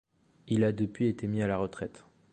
Il a depuis été mis à la retraite.